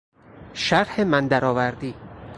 شرح من درآوردی